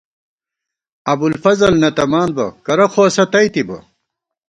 ابُوالفضل نہ تمان بہ ، کرہ خو اسہ تئیتِبہ